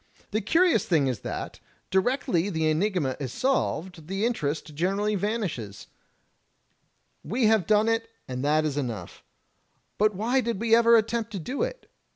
The curious thing is that directly the enigma is solved the interest generally vanishes. We have done it, and that is 6 THE TECHNIQUE OF THE MYSTERY STORY enough. But why did we ever attempt to do it?